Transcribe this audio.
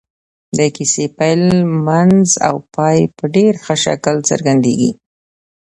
د کيسې پيل منځ او پای په ډېر ښه شکل څرګندېږي.